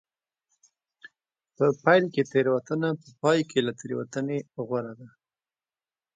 په پیل کې تېروتنه په پای کې له تېروتنې غوره ده.